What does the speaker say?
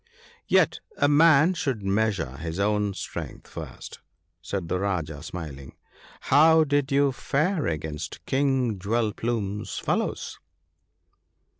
i Yet a man should measure his own strength first/ said the Rajah, smiling ;' how did you fare against King Jewel plume's fellows